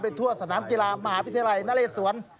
ทั่วสนามกีฬามหาวิทยาลัยนเรศวร